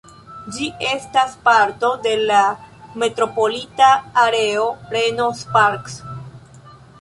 Ĝi estas parto de la metropolita areo Reno–Sparks.